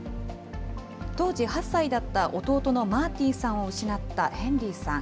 当時８歳だった弟のマーティンさんを失ったヘンリーさん。